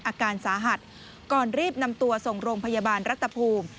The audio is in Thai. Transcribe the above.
อาการสาหัสก่อนรีบนำตัวส่งโรงพยาบาลรัฐภูมิ